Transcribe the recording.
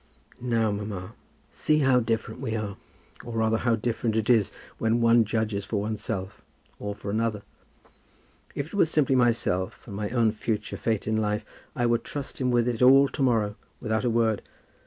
"Now, mamma, see how different we are; or, rather, how different it is when one judges for oneself or for another. If it were simply myself, and my own future fate in life, I would trust him with it all to morrow, without a word.